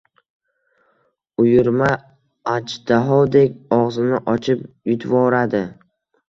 Uyurma ajdahodek og‘zini ochib yutvoradi.